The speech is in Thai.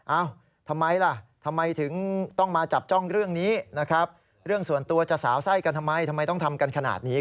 เอ้าทำไมล่ะทำไมถึงต้องมาจับจ้องเรื่องนี้นะครับเรื่องส่วนตัวจะสาวไส้กันทำไมทำไมต้องทำกันขนาดนี้